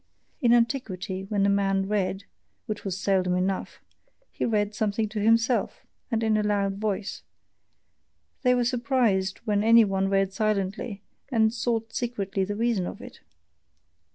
In antiquity when a man read which was seldom enough he read something to himself, and in a loud voice; they were surprised when any one read silently, and sought secretly the reason of it.